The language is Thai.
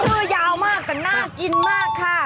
ยาวมากแต่น่ากินมากค่ะ